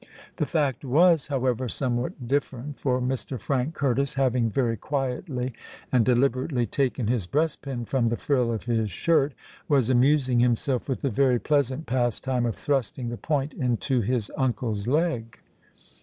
The fact was however somewhat different; for Mr. Frank Curtis, having very quietly and deliberately taken his breast pin from the frill of his shirt, was amusing himself with the very pleasant pastime of thrusting the point into his uncle's leg.